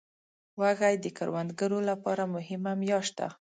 وږی د کروندګرو لپاره مهمه میاشت ده.